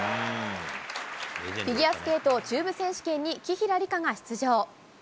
フィギュアスケート中部選手権に紀平梨花が出場。